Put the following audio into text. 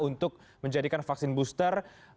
untuk menjadikan vaksin booster